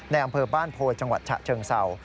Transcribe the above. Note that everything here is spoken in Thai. อำเภอบ้านโพจังหวัดฉะเชิงเศร้า